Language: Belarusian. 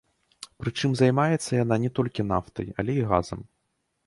Прычым займаецца яна не толькі нафтай, але і газам.